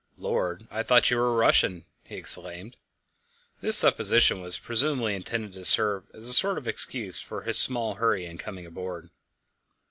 "Lord, I thought you were a Russian!" he exclaimed. This supposition was presumably intended to serve as a sort of excuse for his small hurry in coming on board.